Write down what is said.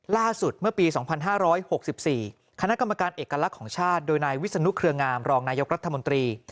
ล่าสุดเมื่อปี๒๕๖๔คณะกรรมการเอกลักษณ์ของชาติโดยนายวิศนุเครืองามรองนายกรัฐมนตรี